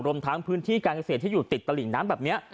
รวมทั้งพื้นที่การเกษตรที่อยู่ติดตลิ่งน้ำแบบนี้